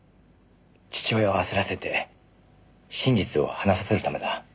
父親を焦らせて真実を話させるためだ。